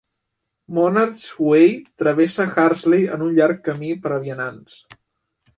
Monarch's Way travessa Hursley en un llarg camí per a vianants.